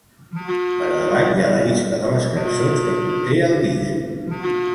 Per davall hi ha la llista de les cançons que conté el disc.